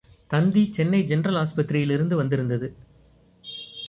தந்தி Chennai general ஆஸ்பத்திரியிலிருந்து வந்திருந்தது.